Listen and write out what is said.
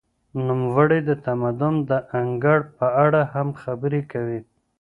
نوموړی د تمدن د انګړ په اړه هم خبري کوي.